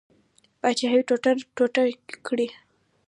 پاچهي ټوټه ټوټه کړي.